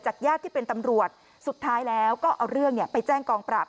ญาติที่เป็นตำรวจสุดท้ายแล้วก็เอาเรื่องไปแจ้งกองปราบ